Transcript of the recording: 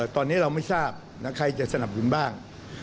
ตอนนี้เราไม่ทราบใครจะสนับสนุนบ้าง